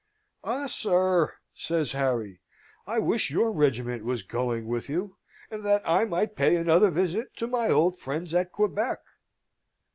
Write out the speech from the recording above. "Ah, sir," says Harry, "I wish your regiment was going with you, and that I might pay another visit to my old friends at Quebec."